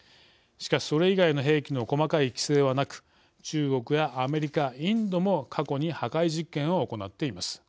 しかし、それ以外の兵器の細かい規制はなく中国やアメリカ、インドも過去に破壊実験を行っています。